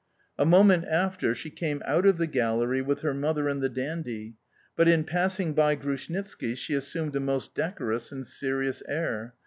A moment after, she came out of the gallery with her mother and the dandy, but, in passing by Grushnitski, she assumed a most decorous and serious air.